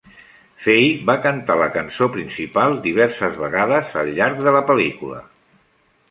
Fay va cantar la cançó principal diverses vegades al llarg de la pel·lícula.